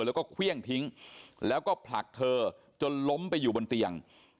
แล้วก็เครื่องทิ้งแล้วก็ผลักเธอจนล้มไปอยู่บนเตียง